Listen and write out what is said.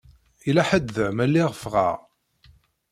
Yella ḥedd da mi lliɣ ffɣeɣ?